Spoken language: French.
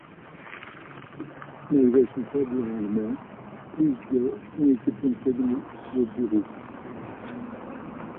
Malgré son faible rendement, plus de ont été plantés dans le Douro.